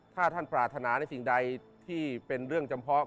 ถ้าท่านปรารถนาในสิ่งใดที่เป็นเรื่องจำเพาะ